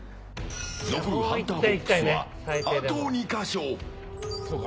残るハンターボックスはあと２か所。